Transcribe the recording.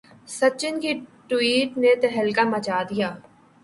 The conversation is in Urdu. سچن کی ٹوئٹ نے تہلکہ مچا دیا